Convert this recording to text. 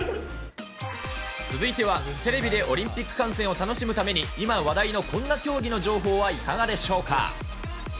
続いては、テレビでオリンピック観戦を楽しむために、今話題のこんな競技の情報はいかがでしょうか。